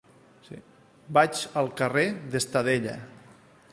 Vaig al carrer d'Estadella.